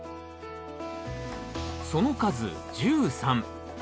その数１３。